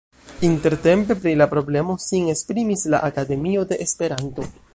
Intertempe pri la problemo sin esprimis la Akademio de Esperanto.